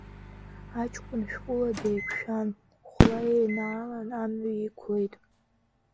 Аҷкәын шәҟәыла деиқәшәан, хәла еинаалан амҩа иқәлеит.